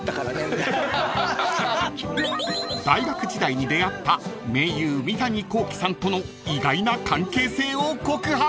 ［大学時代に出会った盟友三谷幸喜さんとの意外な関係性を告白］